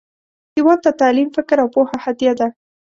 هیواد ته تعلیم، فکر، او پوهه هدیه ده